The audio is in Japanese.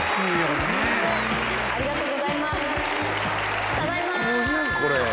ありがとうございます。